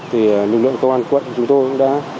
thì lực lượng công an quận chúng tôi cũng đã